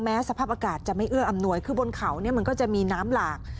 สภาพอากาศจะไม่เอื้ออำนวยคือบนเขาเนี่ยมันก็จะมีน้ำหลาก